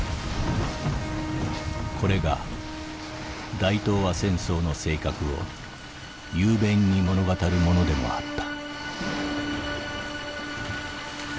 「これが大東亜戦争の性格を雄弁に物語るものでもあった」。